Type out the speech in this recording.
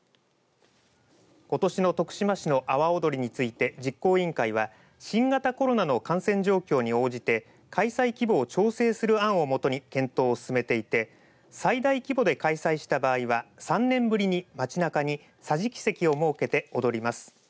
ことしの徳島市の阿波おどりについて実行委員会は新型コロナの感染状況に応じて開催規模を調整する案をもとに検討を進めていて最大規模で開催した場合は３年ぶりに街なかに桟敷席を設けて踊ります。